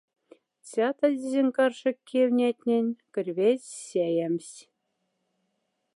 Цятадезень каршек кевнятнень — крьвязсь сяямсь.